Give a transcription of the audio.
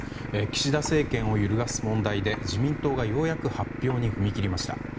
岸田政権を揺るがす問題で自民党がようやく発表に踏み切りました。